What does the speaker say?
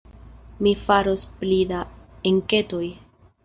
Mi faros pli da enketoj.